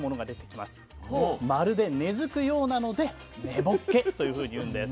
まるで根づくようなので根ぼっけというふうに言うんです。